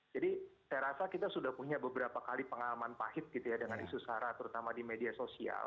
jadi saya rasa kita sudah punya beberapa kali pengalaman pahit gitu ya dengan isu sarah terutama di media sosial